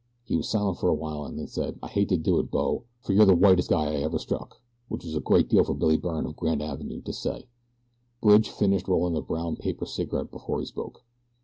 He was silent for a while, and then: "I hate to do it, bo, fer you're the whitest guy I ever struck," which was a great deal for Billy Byrne of Grand Avenue to say. Bridge finished rolling a brown paper cigarette before he spoke.